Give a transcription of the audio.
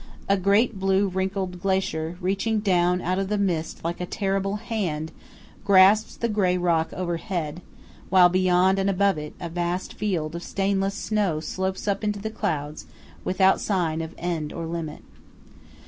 A great blue wrinkled glacier, reaching down out of the mist like a terrible Hand, grasps the grey rock overhead; while beyond and above it, a vast field of stainless snow slopes up into the clouds, without sign of end or limit.